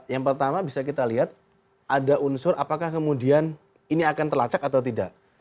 yang pertama bisa kita lihat ada unsur apakah kemudian ini akan terlacak atau tidak